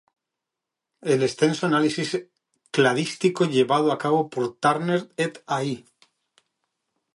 El extenso análisis cladístico llevado a cabo por Turner "et al".